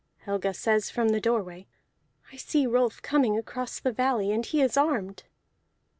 Helga says from the doorway: "I see Rolf coming across the valley, and he is armed."